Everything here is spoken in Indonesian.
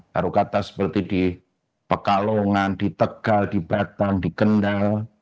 baru kata seperti di pekalongan di tegal di batang di kendal